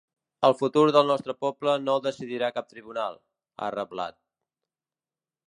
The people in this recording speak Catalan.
El futur del nostre poble no el decidirà cap tribunal, ha reblat.